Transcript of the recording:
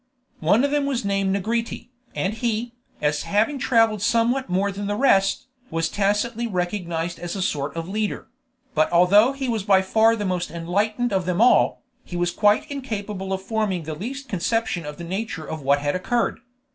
One of them was named Negrete, and he, as having traveled somewhat more than the rest, was tacitly recognized as a sort of leader; but although he was by far the most enlightened of them all, he was quite incapable of forming the least conception of the nature of what had occurred.